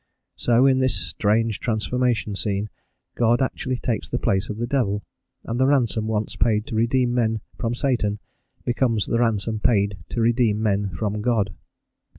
So, in this strange transformation scene God actually takes the place of the devil, and the ransom once paid to redeem men from Satan becomes the ransom paid to redeem men from God.